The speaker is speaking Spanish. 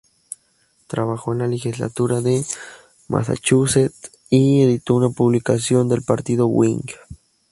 Trabajó en la legislatura de Massachusetts y editó una publicación del partido Whig.